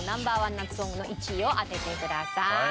夏ソングの１位を当ててください。